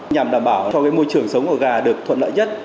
nhằm đảm bảo cho môi trường sống của gà được thuận lợi nhất